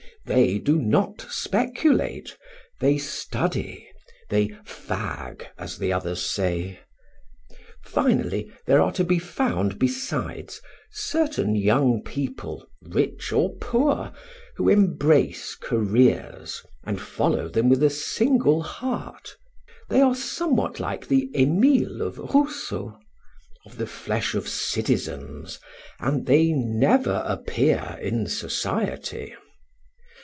They do not speculate, they study; they fag, as the others say. Finally there are to be found, besides, certain young people, rich or poor, who embrace careers and follow them with a single heart; they are somewhat like the Emile of Rousseau, of the flesh of citizens, and they never appear in society.